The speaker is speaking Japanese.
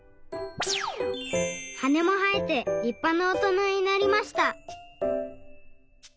はねもはえてりっぱなおとなになりました。